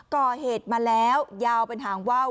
ก่อเหตุมาแล้วยาวเป็นหางว่าว